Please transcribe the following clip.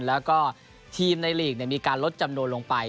แล้วก็ทีมในลีกมีการลดจำนวนลงไป